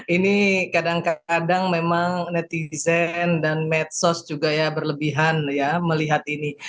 ini kadang kadang memang netizen dan medsos juga ya berlebihan ya melihat ini